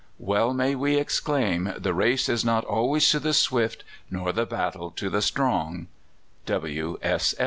Well may we exclaim, 'the race is not always to the swift, nor the battle to the strong.